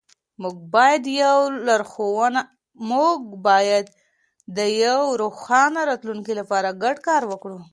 موږ باید د یو روښانه راتلونکي لپاره ګډ کار وکړو.